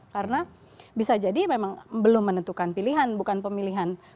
karena bisa jadi memang belum menentukan pilihan bukan pemilihan